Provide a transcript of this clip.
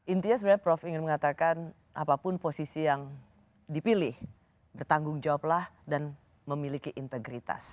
intinya sebenarnya prof ingin mengatakan apapun posisi yang dipilih bertanggung jawablah dan memiliki integritas